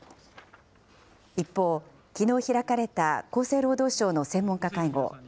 一方、きのう開かれた厚生労働省の専門家会合。